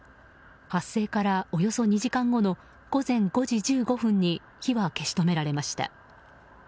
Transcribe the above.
発生からおよそ２時間後の午前５時１５分に火は消し止められました。